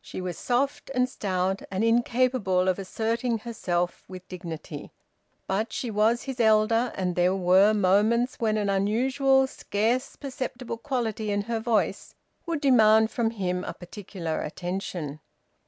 She was soft and stout, and incapable of asserting herself with dignity; but she was his elder, and there were moments when an unusual, scarce perceptible quality in her voice would demand from him a particular attention.